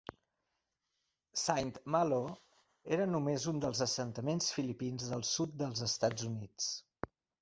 Saint Malo era només un dels assentaments filipins del sud dels Estats Units.